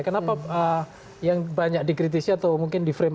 kenapa yang banyak dikritisi atau mungkin di frame